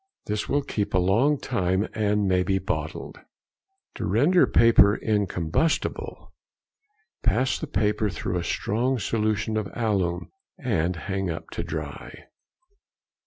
This will keep a long time and may be bottled. |166| To render paper incombustible.—Pass the paper through a strong solution of alum, and hang up to dry.